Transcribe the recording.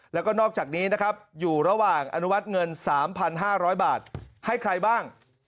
แล้วก็นอกจากนี้นะครับอยู่ระหว่างอนุมัติเงิน๓๕๐๐บาทให้ใครบ้าง